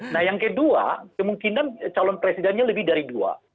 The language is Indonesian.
nah yang kedua kemungkinan calon presidennya lebih dari dua